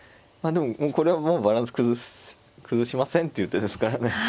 まあでもこれはもうバランス崩しませんっていう手ですからね。